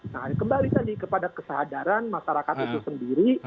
nah kembali tadi kepada kesadaran masyarakat itu sendiri